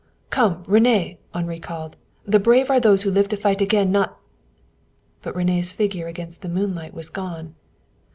"Come, René!" Henri called. "The brave are those who live to fight again, not " But René's figure against the moonlight was gone.